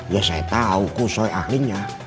ya saya tahu kusoi akhirnya